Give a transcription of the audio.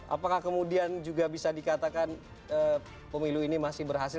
apakah kemudian juga bisa dikatakan pemilu ini masih berhasil